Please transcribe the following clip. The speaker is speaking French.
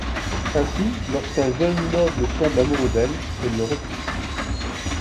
Ainsi, lorsqu’un jeune noble tombe amoureux d’elle, elle le repousse.